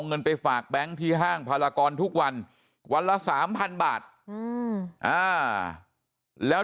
เงินไปฝากแบงค์ที่ห้างพารากรทุกวันวันละ๓๐๐บาทแล้ว